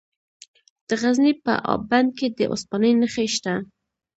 د غزني په اب بند کې د اوسپنې نښې شته.